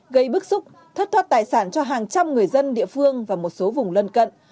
gây bức xúc thất thoát tài sản cho hàng trăm người dân địa phương và một số vùng lân cận